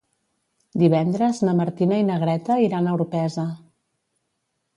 Divendres na Martina i na Greta iran a Orpesa.